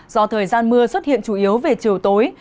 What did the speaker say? do thời gian mưa xuất hiện chủ yếu về chiều tối